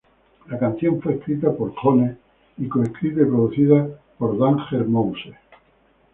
La canción fue escrita por Jones y co-escrita y producida por Danger Mouse.